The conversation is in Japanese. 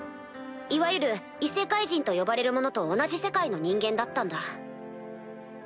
いわゆる異世界人と呼ばれる者と同じ世界の人間だったんだ。